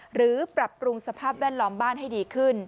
หรือปรับปรุงสภาพแวดล้อมบ้านให้ดีขึ้น